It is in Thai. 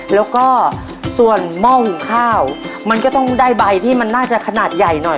แล้วก็ส่วนหม้อหุงข้าวมันก็ต้องได้ใบที่มันน่าจะขนาดใหญ่หน่อย